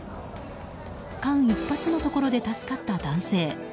間一髪のところで助かった男性。